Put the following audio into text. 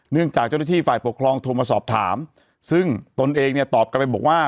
จากเจ้าหน้าที่ฝ่ายปกครองโทรมาสอบถามซึ่งตนเองเนี่ยตอบกลับไปบอกว่า